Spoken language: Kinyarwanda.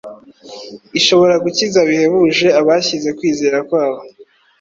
ishobora gukiza bihebuje abashyize kwizera kwabo